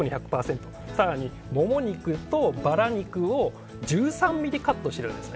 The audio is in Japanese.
更にモモ肉とバラ肉を１３ｍｍカットしているんです。